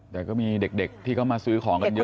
แต่ก็มีเด็กที่เขามาซื้อของกันเยอะ